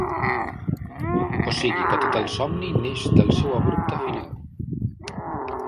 O sigui, que tot el somni neix del seu abrupte final.